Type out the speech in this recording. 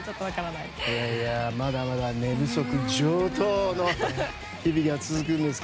まだまだ寝不足上等の日々が続きますね。